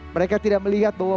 mereka tidak melihat bahwa